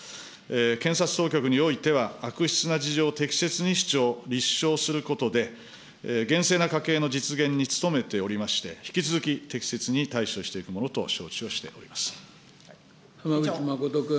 検察当局においては、悪質なを、立証することで、厳正な科刑の実現に努めておりまして、引き続き適切に対処してい浜口誠君。